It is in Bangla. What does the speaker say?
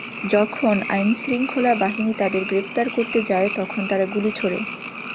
যখন আইনশৃঙ্খলা বাহিনী তাদের গ্রেপ্তার করতে যায়, তখন তারা গুলি ছোড়ে।